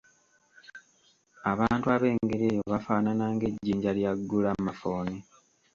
Abantu ab'engeri eyo bafaanana ng'ejjinja lya Ggulamafooni.